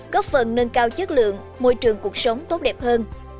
góp phần nâng cao chất lượng môi trường cuộc sống tốt đẹp hơn